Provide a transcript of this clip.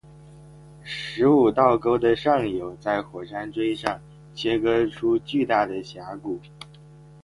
十五道沟的上游在火山锥上切割出巨大的峡谷。